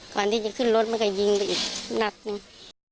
ก่อนที่จะขึ้นรถมันก็ยิงไปอีกนัดหนึ่ง